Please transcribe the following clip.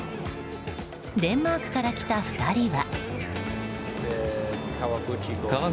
デンマークから来た２人は。